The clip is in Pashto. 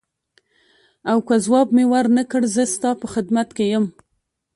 او که ځواب مې ورنه کړ زه ستا په خدمت کې یم.